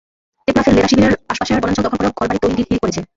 টেকনাফের লেদা শিবিরের আশপাশের বনাঞ্চল দখল করেও ঘরবাড়ি তৈরির হিড়িক পড়েছে।